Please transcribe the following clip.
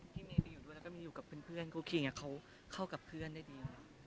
พี่เมย์ไปอยู่ด้วยแล้วก็ไม่อยู่กับเพื่อนก็โอเคไงเขาเข้ากับเพื่อนได้ดี